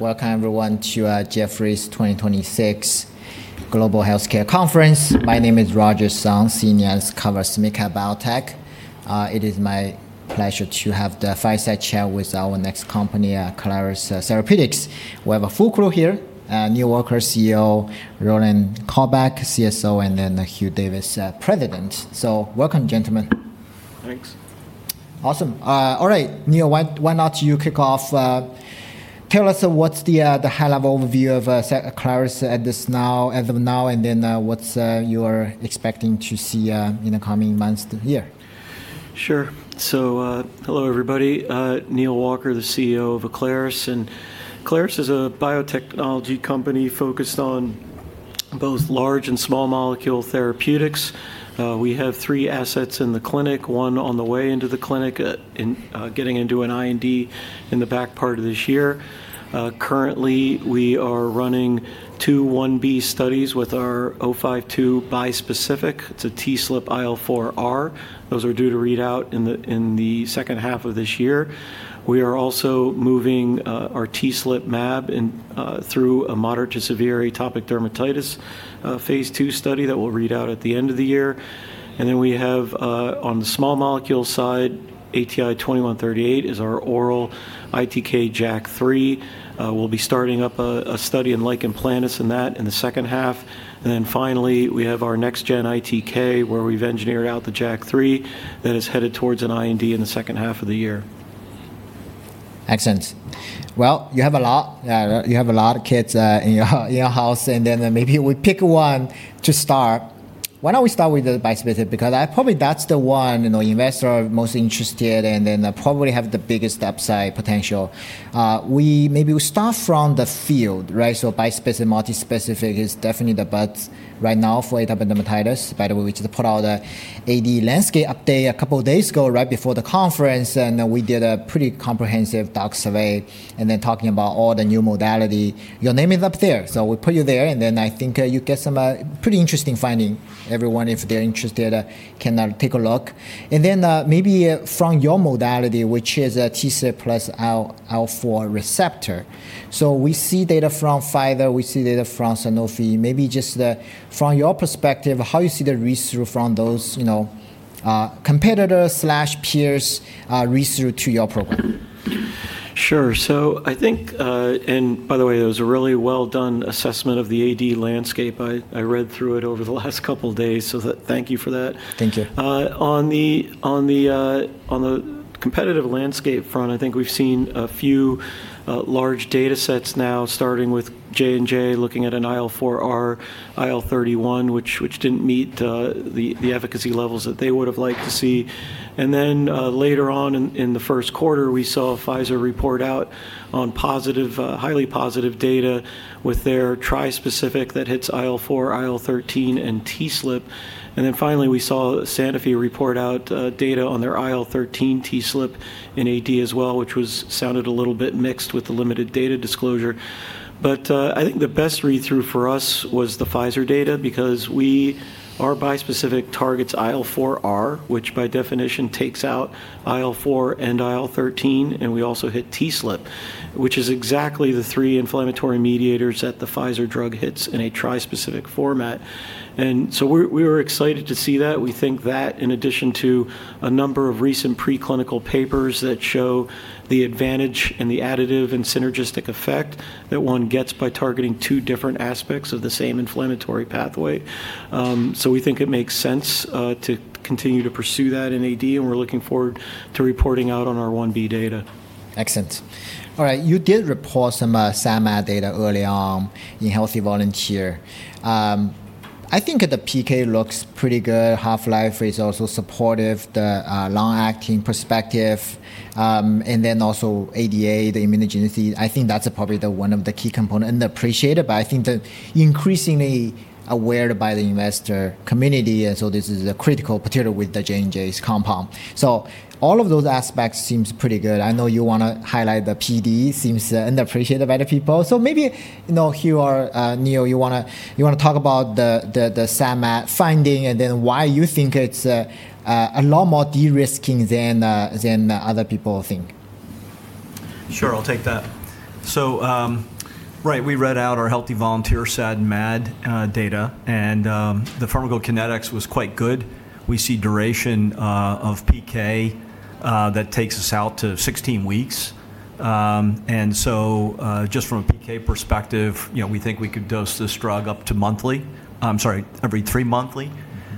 Welcome everyone to Jefferies 2026 Global Healthcare Conference. My name is Roger Song, senior and cover small/mid-cap biotech. It is my pleasure to have the fireside chat with our next company, Aclaris Therapeutics. We have a full crew here, Neal Walker, CEO, Roland Kolbeck, CSO, and Hugh Davis, President. Welcome, gentlemen. Thanks. Awesome. All right, Neal, why not you kick off? Tell us what's the high-level overview of Aclaris as of now, and then what you are expecting to see in the coming months to year. Sure. Hello everybody. Neal Walker, the CEO of Aclaris, and Aclaris is a biotechnology company focused on both large and small molecule therapeutics. We have three assets in the clinic, one on the way into the clinic, getting into an IND in the back part of this year. Currently, we are running two phase I-B studies with our ATI-052 bispecific. It's a TSLP IL-4R. Those are due to read out in the second half of this year. We are also moving our TSLP mAb through a moderate to severe atopic dermatitis phase II study that will read out at the end of the year. We have, on the small molecule side, ATI-2138 is our oral ITK/JAK3. We'll be starting up a study in lichen planus in that in the second half. Finally, we have our next gen ITK, where we've engineered out the JAK3. That is headed towards an IND in the second half of the year. Excellent. Well, you have a lot of cats in your house, maybe we pick one to start. Why don't we start with the bispecific, because probably that's the one investors are most interested and then probably have the biggest upside potential. Maybe we start from the field, right? Bispecific, multispecific is definitely the buzz right now for atopic dermatitis. By the way, we just put out a AD landscape update a couple of days ago, right before the conference. We did a pretty comprehensive, derm survey, talking about all the new modality. Your name is up there, so we put you there, and then I think you get some pretty interesting finding. Everyone, if they're interested, can take a look. Maybe from your modality, which is a TSLP plus IL-4 receptor. We see data from Pfizer. We see data from Sanofi. Maybe just from your perspective, how you see the read-through from those competitors/peers read through to your program. Sure. By the way, that was a really well-done assessment of the AD landscape. I read through it over the last couple of days, so thank you for that. Thank you. On the competitive landscape front, I think we've seen a few large data sets now, starting with J&J looking at an IL-4R, IL-31, which didn't meet the efficacy levels that they would've liked to see. Later on in the first quarter, we saw Pfizer report out on highly positive data with their tri-specific that hits IL-4, IL-13, and TSLP. Finally, we saw Sanofi report out data on their IL-13, TSLP in AD as well, which sounded a little bit mixed with the limited data disclosure. I think the best read-through for us was the Pfizer data because our bispecific targets IL-4R, which by definition takes out IL-4 and IL-13, and we also hit TSLP, which is exactly the three inflammatory mediators that the Pfizer drug hits in a tri-specific format. We were excited to see that. We think that in addition to a number of recent preclinical papers that show the advantage and the additive and synergistic effect that one gets by targeting two different aspects of the same inflammatory pathway. We think it makes sense to continue to pursue that in AD, and we're looking forward to reporting out on our phase I-B data. Excellent. All right. You did report some SAD/MAD data early on in healthy volunteer. I think the PK looks pretty good. Half-life is also supportive, the long-acting perspective. Also ADA, the immunogenicity, I think that's probably the one of the key component and appreciated, but I think they're increasingly aware by the investor community, this is a critical material with the J&J's compound. All of those aspects seems pretty good. I know you want to highlight the PD, seems unappreciated by the people. Maybe Hugh or Neal, you want to talk about the SAD/MAD finding, why you think it's a lot more de-risking than other people think? Sure. I'll take that. Right, we read out our healthy volunteer SAD and MAD data, and the pharmacokinetics was quite good. We see duration of PK that takes us out to 16 weeks. Just from a PK perspective, we think we could dose this drug up to monthly, I'm sorry, every three monthly.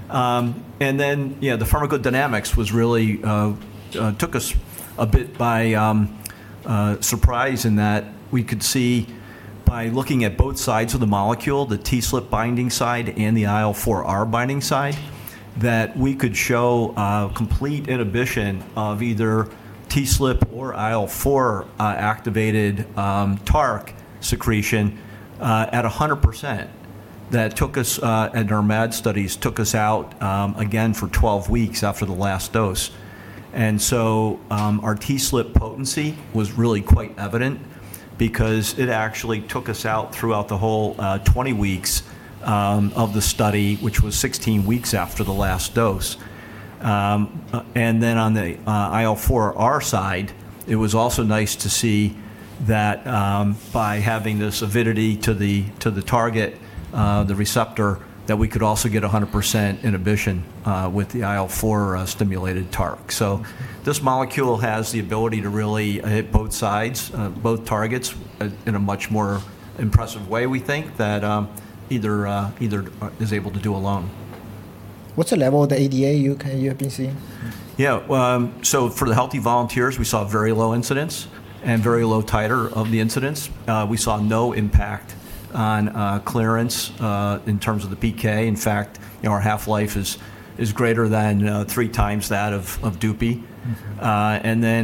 Then the pharmacodynamics took us a bit by surprise in that we could see by looking at both sides of the molecule, the TSLP binding side and the IL-4R binding side, that we could show complete inhibition of either TSLP or IL-4 activated TARC secretion at 100%. Our MAD studies took us out again for 12 weeks after the last dose. Our TSLP potency was really quite evident because it actually took us out throughout the whole 20 weeks of the study, which was 16 weeks after the last dose. On the IL-4R side, it was also nice to see that by having this avidity to the target, the receptor, that we could also get 100% inhibition with the IL-4 stimulated TARC. This molecule has the ability to really hit both sides, both targets, in a much more impressive way, we think, than either is able to do alone. What's the level of the ADA you have been seeing? Yeah. For the healthy volunteers, we saw very low incidence and very low titer of the incidence. We saw no impact on clearance in terms of the PK. In fact, our half-life is greater than three times that of Dupixent.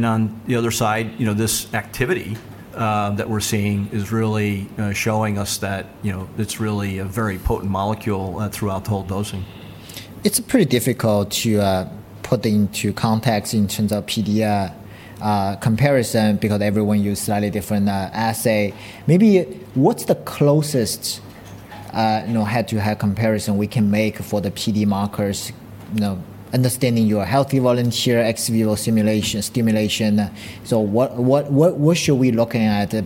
On the other side, this activity that we're seeing is really showing us that it's really a very potent molecule throughout the whole dosing. It's pretty difficult to put into context in terms of PD comparison because everyone uses a slightly different assay. Maybe what's the closest head-to-head comparison we can make for the PD markers, understanding your healthy volunteer ex vivo stimulation. What should we looking at? We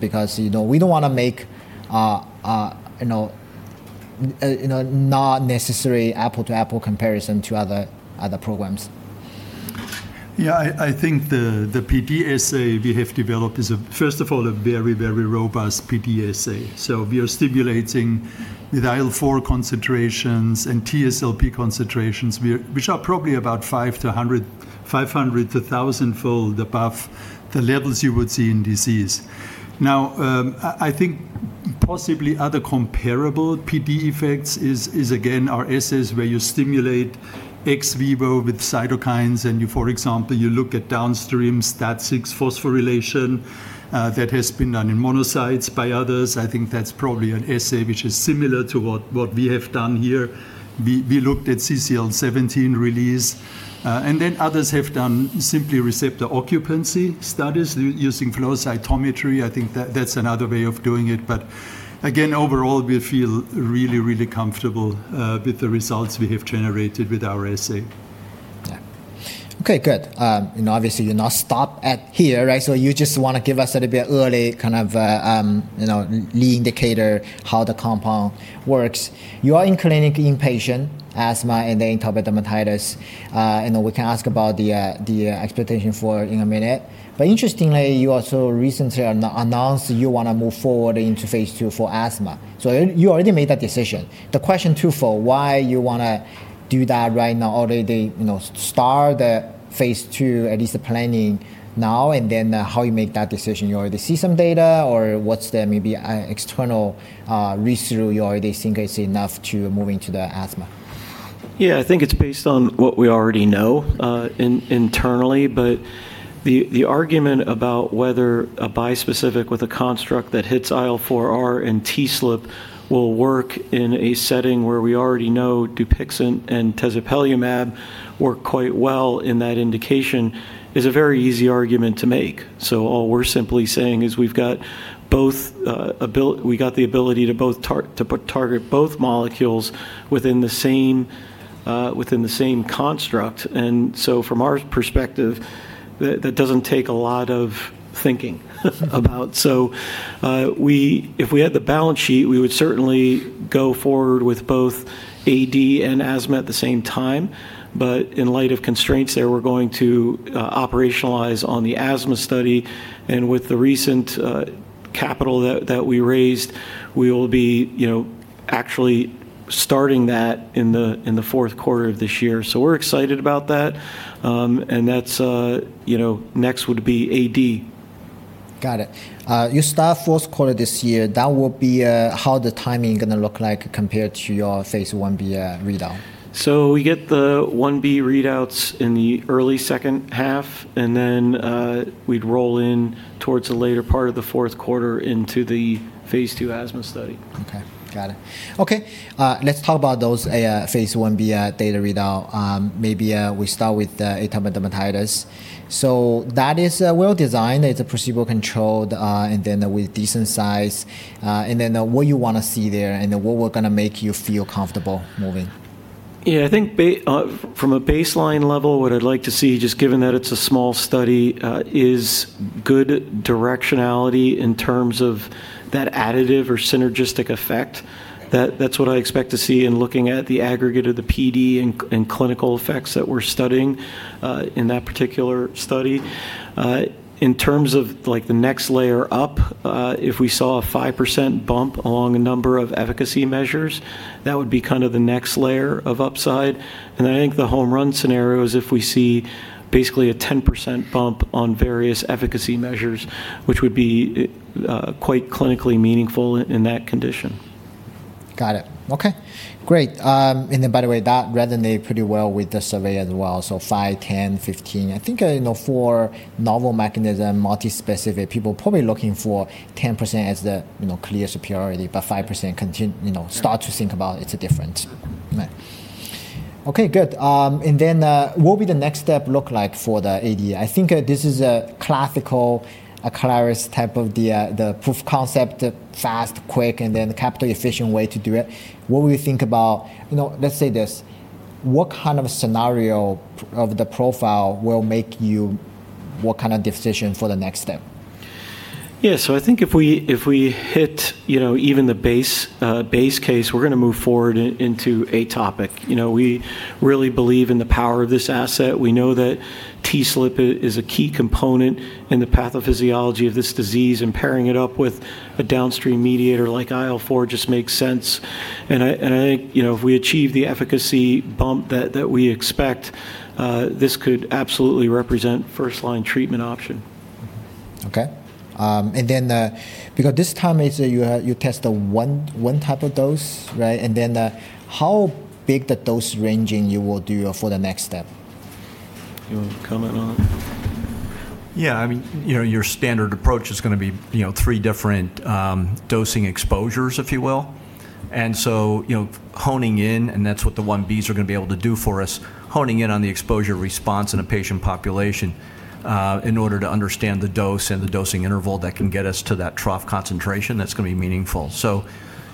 don't want to make a not necessary apple-to-apple comparison to other programs. I think the PD assay we have developed is, first of all, a very, very robust PD assay. We are stimulating with IL-4 concentrations and TSLP concentrations, which are probably about 500 to 1,000-fold above the levels you would see in disease. I think possibly other comparable PD effects is, again, are assays where you stimulate ex vivo with cytokines and for example, you look at downstream STAT6 phosphorylation that has been done in monocytes by others. I think that's probably an assay which is similar to what we have done here. We looked at CCL17 release. Others have done simply receptor occupancy studies using flow cytometry. I think that's another way of doing it. Overall, we feel really, really comfortable with the results we have generated with our assay. Yeah. Okay, good. Obviously you will not stop at here, right? You just want to give us a little bit early kind of lead indicator how the compound works. You are in clinic in patient asthma, and then atopic dermatitis, and we can ask about the expectation for it in a minute. Interestingly, you also recently announced you want to move forward into phase II for asthma. You already made that decision. The question too for why you want to do that right now already, start the phase II, at least the planning now, and then how you make that decision. You already see some data or what is the maybe external research you already think is enough to move into the asthma? I think it's based on what we already know internally, the argument about whether a bispecific with a construct that hits IL-4R and TSLP will work in a setting where we already know Dupixent and tezepelumab work quite well in that indication is a very easy argument to make. All we're simply saying is we've got the ability to target both molecules within the same construct. From our perspective, that doesn't take a lot of thinking about. If we had the balance sheet, we would certainly go forward with both AD and asthma at the same time. In light of constraints there, we're going to operationalize on the asthma study. With the recent capital that we raised, we will be actually starting that in the fourth quarter of this year. We're excited about that. Next would be AD. Got it. You start fourth quarter this year. That will be how the timing going to look like compared to your phase I-B readout? We get the phase I-B readouts in the early second half, and then we'd roll in towards the later part of the fourth quarter into the phase II asthma study. Got it. Let's talk about those phase I-B data readout. Maybe we start with atopic dermatitis. That is well designed. It's placebo controlled, with decent size. What you want to see there, and what will going to make you feel comfortable moving? I think from a baseline level, what I'd like to see, just given that it's a small study, is good directionality in terms of that additive or synergistic effect. That's what I expect to see in looking at the aggregate of the PD and clinical effects that we're studying in that particular study. In terms of the next layer up, if we saw a 5% bump along a number of efficacy measures, that would be kind of the next layer of upside. I think the home run scenario is if we see basically a 10% bump on various efficacy measures, which would be quite clinically meaningful in that condition. Got it. Okay, great. By the way, that resonate pretty well with the survey as well. 5%, 10%, 15%. I think for novel mechanism, multi-specific, people probably looking for 10% as the clear superiority, but 5% start to think about it's different. Right. Okay, good. What will the next step look like for the AD? I think this is a classical Aclaris type of the proof concept, fast, quick, and then capital efficient way to do it. What kind of a scenario of the profile will make you, what kind of decision for the next step? Yeah. I think if we hit even the base case, we're going to move forward into atopic. We really believe in the power of this asset. We know that TSLP is a key component in the pathophysiology of this disease, and pairing it up with a downstream mediator like IL-4 just makes sense. I think if we achieve the efficacy bump that we expect, this could absolutely represent first-line treatment option. Okay. Because this time you test one type of dose, right? How big the dose ranging you will do for the next step? You want to comment on it? Yeah. Your standard approach is going to be three different dosing exposures, if you will. Honing in, and that's what the phase 1-Bs are going to be able to do for us, honing in on the exposure response in a patient population, in order to understand the dose and the dosing interval that can get us to that trough concentration that's going to be meaningful.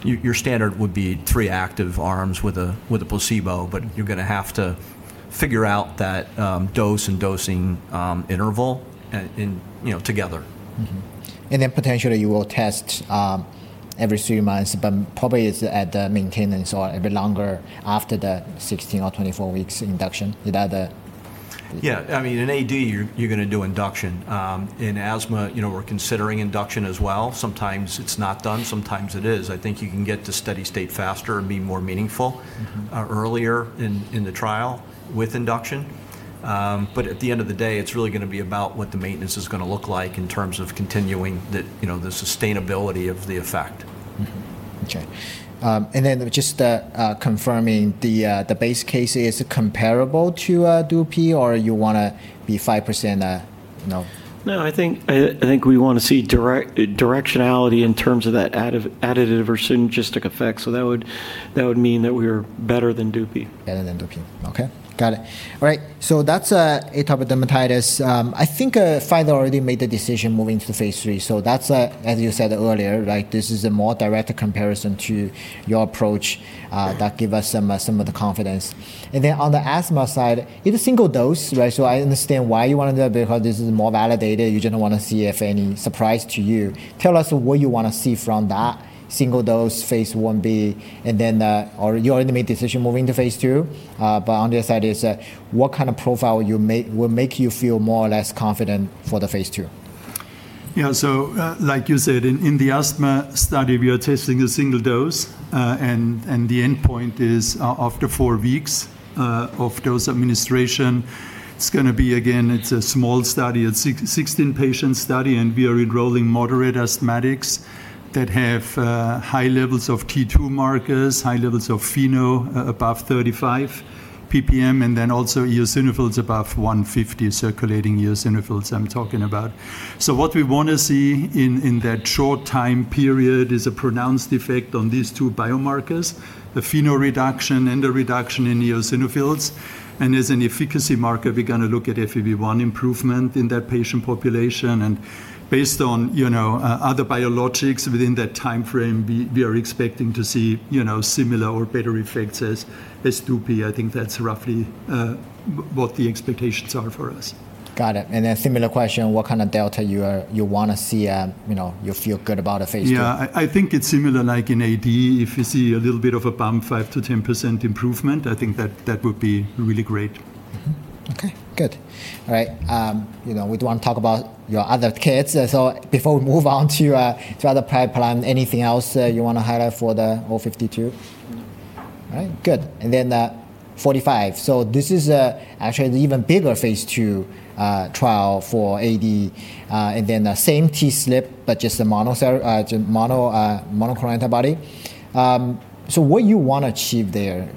Your standard would be three active arms with a placebo, but you're going to have to figure out that dose and dosing interval together. Mm-hmm. Potentially you will test every three months, but probably it's at the maintenance or a bit longer after the 16 or 24 weeks induction. Is that the? Yeah. In AD, you're going to do induction. In asthma, we're considering induction as well. Sometimes it's not done, sometimes it is. I think you can get to steady state faster and be more meaningful. Earlier in the trial with induction. At the end of the day, it's really going to be about what the maintenance is going to look like in terms of continuing the sustainability of the effect. Okay. Then just confirming, the base case is comparable to Dupixent or you want to be 5%? No. No, I think we want to see directionality in terms of that additive or synergistic effect. That would mean that we're better than Dupixent. Better than Dupixent. Okay. Got it. All right, so that's atopic dermatitis. I think Pfizer already made the decision moving to the phase III, so that's, as you said earlier, this is a more direct comparison to your approach that give us some of the confidence. On the asthma side, in a single dose, right? I understand why you want to do that, because this is more validated, you didn't want to see if any surprise to you. Tell us what you want to see from that single dose phase I-B, and then, or you already made decision moving to phase II, but on the other side is, what kind of profile will make you feel more or less confident for the phase II? Yeah. like you said, in the asthma study, we are testing a single dose, and the endpoint is after four weeks of dose administration. It's going to be, again, it's a small study. It's 16-patient study, and we are enrolling moderate asthmatics that have high levels of T2 markers, high levels of FeNO above 35 ppb, also eosinophils above 150 circulating eosinophils I'm talking about. What we want to see in that short time period is a pronounced effect on these two biomarkers, the FeNO reduction and the reduction in eosinophils. As an efficacy marker, we're going to look at FEV1 improvement in that patient population. Based on other biologics within that timeframe, we are expecting to see similar or better effects as Dupixent. I think that's roughly what the expectations are for us. Got it. Similar question, what kind of delta you want to see, you feel good about a phase II? Yeah, I think it's similar like in AD, if you see a little bit of a bump 5%-10% improvement, I think that would be really great. Mm-hmm. Okay, good. All right. We don't want to talk about your other kids. Before we move on to other pipeline, anything else you want to highlight for the ATI-052? All right, good. ATI-045. This is actually an even bigger phase II trial for AD. The same TSLP, but just the monoclonal antibody. What you want to achieve there?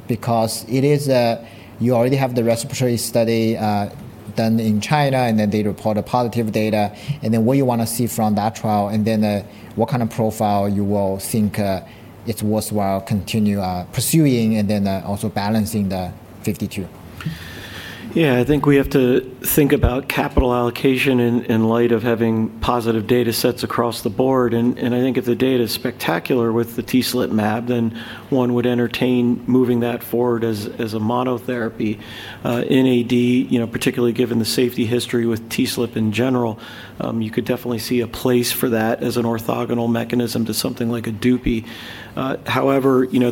You already have the respiratory study done in China, and then they report a positive data, and then what you want to see from that trial, and then what kind of profile you will think it's worthwhile continue pursuing and then also balancing the ATI-052. Yeah, I think we have to think about capital allocation in light of having positive data sets across the board. I think if the data is spectacular with the TSLP mAb, then one would entertain moving that forward as a monotherapy. In AD, particularly given the safety history with TSLP in general, you could definitely see a place for that as an orthogonal mechanism to something like a Dupixent.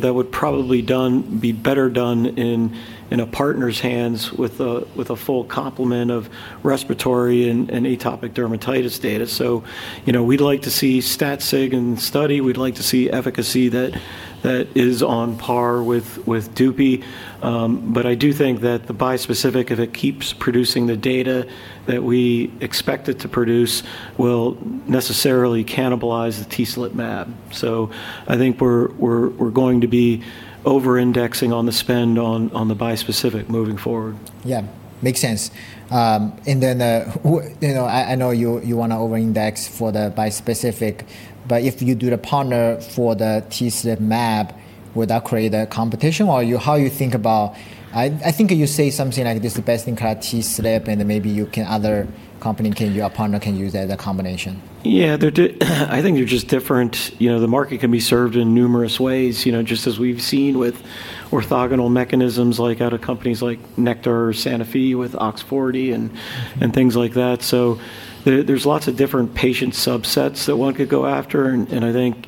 That would probably be better done in a partner's hands with a full complement of respiratory and atopic dermatitis data. We'd like to see stat sig in the study, we'd like to see efficacy that is on par with Dupixent. I do think that the bispecific, if it keeps producing the data that we expect it to produce, will necessarily cannibalize the TSLP mAb. I think we're going to be over-indexing on the spend on the bispecific moving forward. Yeah, makes sense. I know you want to over-index for the bispecific, but if you do the partner for the TSLP mAb, would that create a competition? I think you say something like this is the best in class TSLP. Maybe other company, your partner can use that combination. Yeah. I think they're just different. The market can be served in numerous ways, just as we've seen with orthogonal mechanisms out of companies like Nektar or Sanofi with OX40 and things like that. There's lots of different patient subsets that one could go after, and I think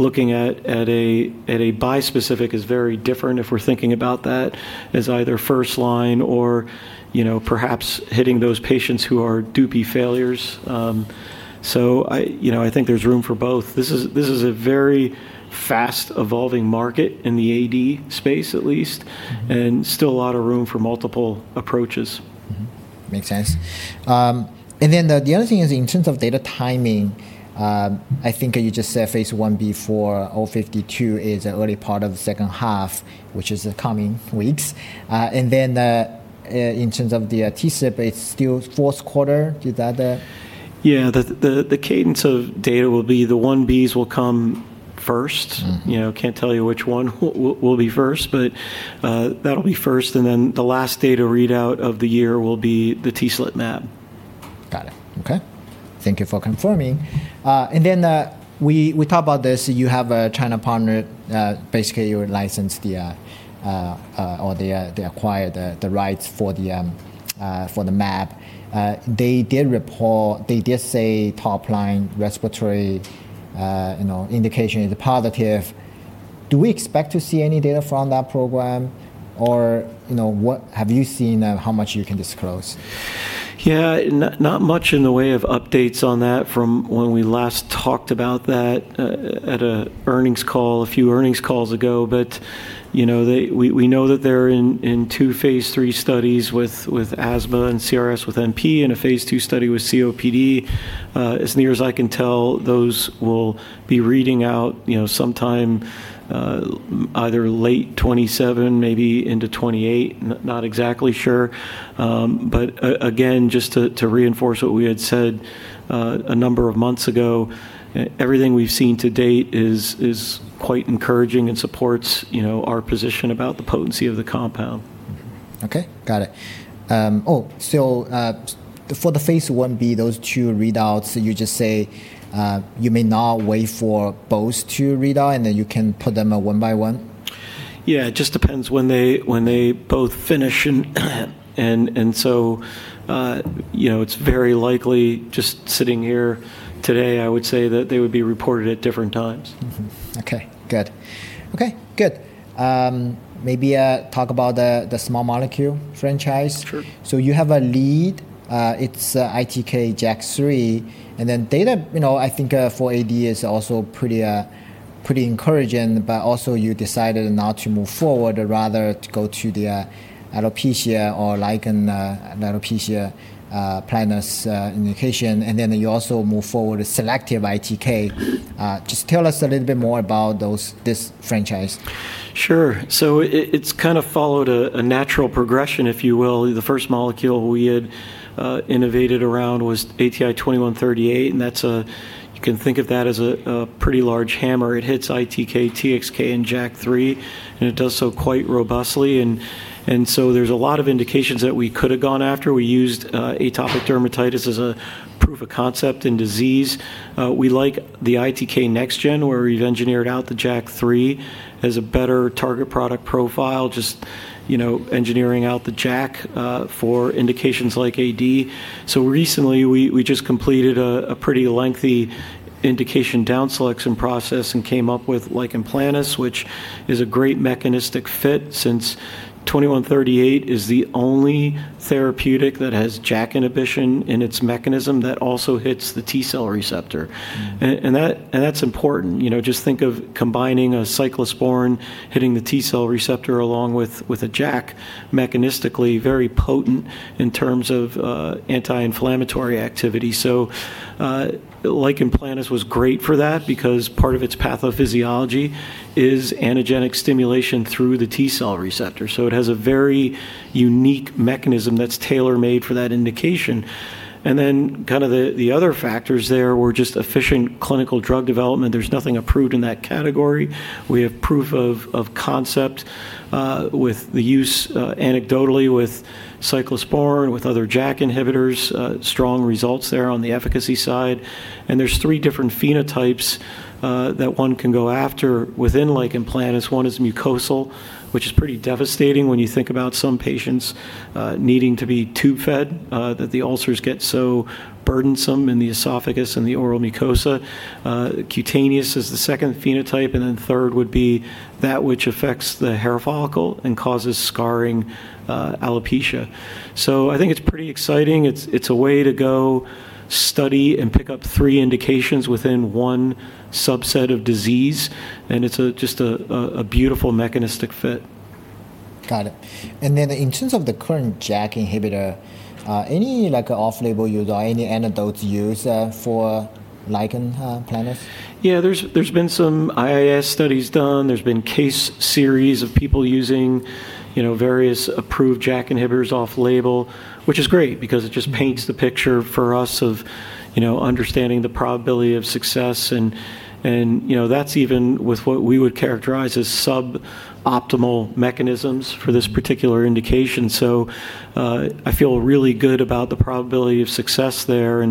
looking at a bispecific is very different if we're thinking about that as either first line or perhaps hitting those patients who are Dupixent failures. I think there's room for both. This is a very fast evolving market in the AD space at least, and still a lot of room for multiple approaches. Make sense. The other thing is in terms of data timing, I think you just said phase I-B for ATI-052 is early part of the second half, which is the coming weeks. In terms of the TSLP, it's still fourth quarter. Yeah. The cadence of data will be the phase I-Bs will come first. Can't tell you which one will be first, but that'll be first. The last data readout of the year will be the TSLP mAb. Got it. Okay. Thank you for confirming. Then we talk about this, you have a China partner. Basically, they acquired the rights for the mab. They did say top line respiratory indication is positive. Do we expect to see any data from that program or what have you seen and how much you can disclose? Yeah. Not much in the way of updates on that from when we last talked about that at a earnings call a few earnings calls ago. We know that they're in two phase III studies with asthma and CRSwNP, and a phase II study with COPD. As near as I can tell, those will be reading out sometime either late 2027, maybe into 2028. Not exactly sure. Again, just to reinforce what we had said a number of months ago, everything we've seen to date is quite encouraging and supports our position about the potency of the compound. Okay. Got it. Oh, for the phase I-B, those two readouts, you just say you may not wait for both to read out, you can put them one by one? Yeah, it just depends when they both finish in, and so it's very likely just sitting here today, I would say that they would be reported at different times. Okay, good. Maybe talk about the small molecule franchise. Sure. You have a lead, it's ITK/JAK3. Data, I think for AD is also pretty encouraging, but also you decided not to move forward rather go to the alopecia or lichen planopilaris indication, and then you also move forward with selective ITK. Just tell us a little bit more about this franchise. Sure. It's kind of followed a natural progression, if you will. The first molecule we had innovated around was ATI-2138, and you can think of that as a pretty large hammer. It hits ITK, TXK, and JAK3, and it does so quite robustly. There's a lot of indications that we could have gone after. We used atopic dermatitis as a proof of concept in disease. We like the ITK next gen, where we've engineered out the JAK3 as a better target product profile, just engineering out the JAK for indications like AD. Recently, we just completed a pretty lengthy indication down-selection process and came up with lichen planus, which is a great mechanistic fit since ATI-2138 is the only therapeutic that has JAK inhibition in its mechanism that also hits the T cell receptor. That's important. Think of combining a cyclosporine, hitting the T-cell receptor along with a JAK mechanistically very potent in terms of anti-inflammatory activity. Lichen planus was great for that because part of its pathophysiology is antigenic stimulation through the T cell receptor. It has a very unique mechanism that's tailor-made for that indication. The other factors there were just efficient clinical drug development. There's nothing approved in that category. We have proof of concept with the use anecdotally with cyclosporine, with other JAK inhibitors, strong results there on the efficacy side. There's three different phenotypes that one can go after within lichen planus. One is mucosal, which is pretty devastating when you think about some patients needing to be tube-fed that the ulcers get so burdensome in the esophagus and the oral mucosa. Cutaneous is the second phenotype, and then third would be that which affects the hair follicle and causes scarring alopecia. I think it's pretty exciting. It's a way to go study and pick up three indications within one subset of disease, and it's just a beautiful mechanistic fit. Got it. Then in terms of the current JAK inhibitor, any off-label use or any anecdotal use for lichen planus? Yeah, there's been some IIS studies done. There's been case series of people using various approved JAK inhibitors off label, which is great because it just paints the picture for us of understanding the probability of success and that's even with what we would characterize as sub-optimal mechanisms for this particular indication. I feel really good about the probability of success there,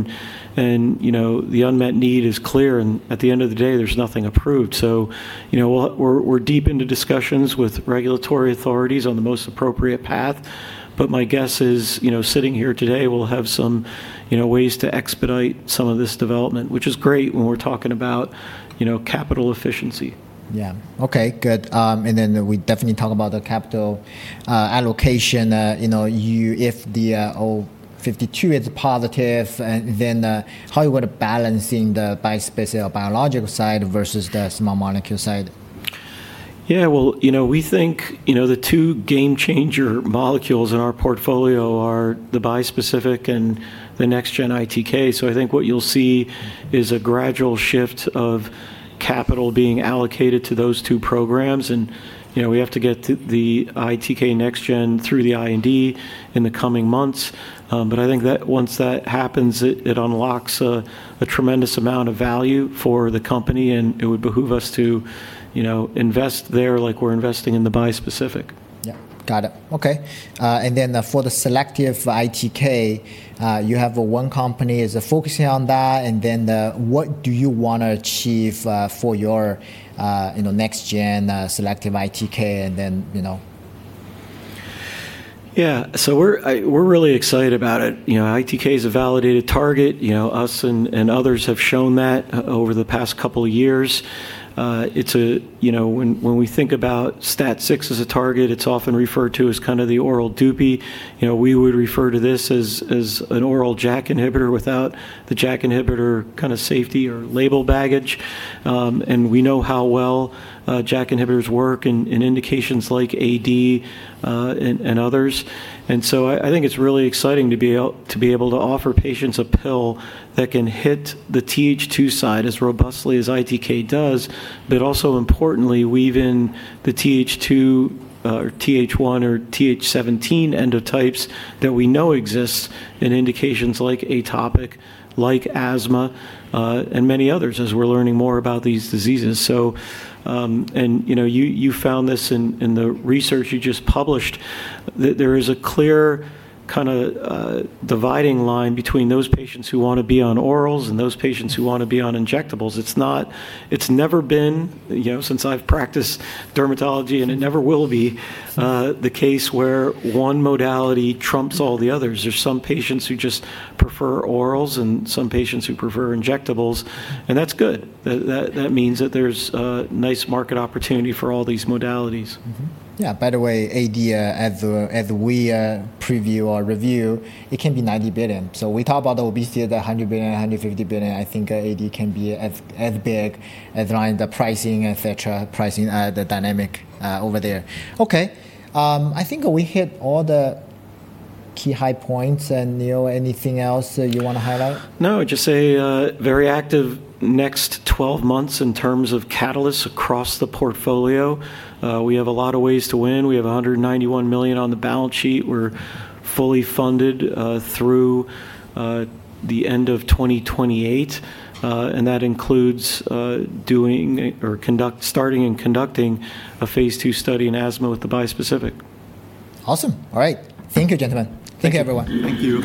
and the unmet need is clear, and at the end of the day, there's nothing approved. We're deep into discussions with regulatory authorities on the most appropriate path. My guess is, sitting here today, we'll have some ways to expedite some of this development, which is great when we're talking about capital efficiency. Yeah. Okay, good. We definitely talk about the capital allocation. If the ATI-052 is positive, then how you would balancing the biological side versus the small molecule side? Well, we think the two game-changer molecules in our portfolio are the bispecific and the next-gen ITK. I think what you'll see is a gradual shift of capital being allocated to those two programs, and we have to get the ITK next-gen through the IND in the coming months. I think that once that happens, it unlocks a tremendous amount of value for the company, and it would behoove us to invest there like we're investing in the bispecific. Yeah. Got it. Okay. For the selective ITK, you have one company is focusing on that, and then what do you want to achieve for your next-gen selective ITK? Yeah. We're really excited about it. ITK is a validated target. Us and others have shown that over the past couple of years. When we think about STAT6 as a target, it's often referred to as kind of the oral Dupixent. We would refer to this as an oral JAK inhibitor without the JAK inhibitor kind of safety or label baggage. We know how well JAK inhibitors work in indications like AD and others. I think it's really exciting to be able to offer patients a pill that can hit the Th2 side as robustly as ITK does, but also importantly weave in the Th2 or Th1 or Th17 endotypes that we know exist in indications like atopic, like asthma, and many others as we're learning more about these diseases. You found this in the research you just published, that there is a clear kind of dividing line between those patients who want to be on orals and those patients who want to be on injectables. It's never been, since I've practiced dermatology, and it never will be the case where one modality trumps all the others. There's some patients who just prefer orals and some patients who prefer injectables, and that's good. That means that there's a nice market opportunity for all these modalities. Mm-hmm. Yeah. By the way, AD, as we preview or review, it can be $90 billion. We talk about obesity at $100 billion, $150 billion. I think AD can be as big as the pricing, et cetera, pricing, the dynamic over there. Okay. I think we hit all the key high points. Neal, anything else that you want to highlight? No, just a very active next 12 months in terms of catalysts across the portfolio. We have a lot of ways to win. We have $191 million on the balance sheet. We're fully funded through the end of 2028. That includes starting and conducting a phase II study in asthma with the bispecific. Awesome. All right. Thank you, gentlemen. Thank you. Thank you, everyone. Thank you.